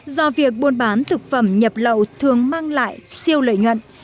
do việc buôn bán thực phẩm nhập lậu thường mang lại siêu lợi nhuận